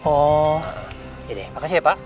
oh ya deh makasih ya pak